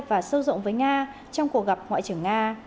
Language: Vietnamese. và sâu rộng với nga trong cuộc gặp ngoại trưởng nga